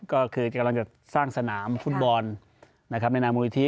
ก็คือกำลังจะสร้างสนามฟุตบอลนะครับในนามมูลนิธิ